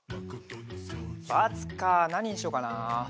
バツかなににしようかなあ。